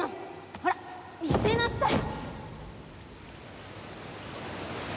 ほら見せなさい！